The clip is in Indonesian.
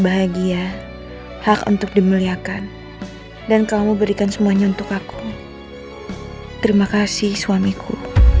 bahagia hak untuk dimuliakan dan kamu berikan semuanya untuk aku terima kasih suamiku